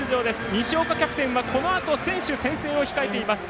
西岡キャプテンはこのあと選手宣誓を控えています。